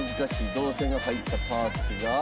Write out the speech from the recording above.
銅線が入ったパーツが。